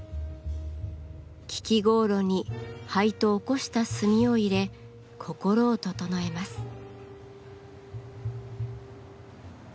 聞香炉に灰とおこした炭を入れ心を整えます。